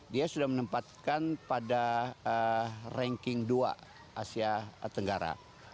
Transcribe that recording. dia sudah menempatkan pada ranking dua asia tenggara